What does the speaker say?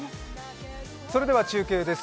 それでは中継です。